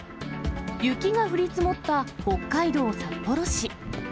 雪が降り積もった北海道札幌市。